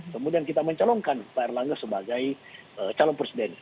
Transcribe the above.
kemudian kita mencalonkan pak erlangga sebagai calon presiden